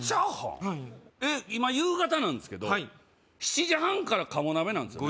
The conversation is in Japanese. はいえっ今夕方なんですけどはい７時半からカモ鍋なんですよね